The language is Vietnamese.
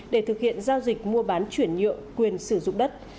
để thực hiện giao dịch mua bán chuyển nhượng quyền sử dụng đất